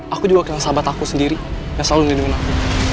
aku juga kehilangan sahabat aku sendiri yang selalu di dunia aku